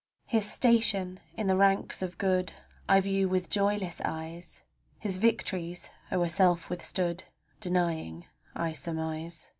His station in the ranks of good I view with joyless eyes; His victories o'er self withstood Denying I surmise.